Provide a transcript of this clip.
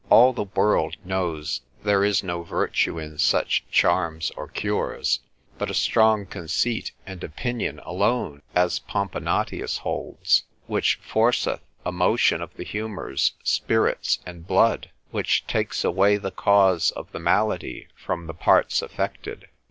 All the world knows there is no virtue in such charms or cures, but a strong conceit and opinion alone, as Pomponatius holds, which forceth a motion of the humours, spirits, and blood, which takes away the cause of the malady from the parts affected.